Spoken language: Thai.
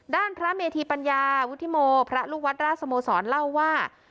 ด้านพระเมธีปัญญาวุฒิโมพระลูกวัดราชสโมสรเล่าว่า